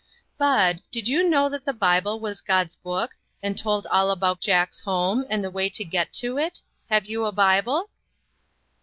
" Bud, did you know that the Bible was God's book, and told all about Jack's home, and the way to get to it? Have you a ^ible?"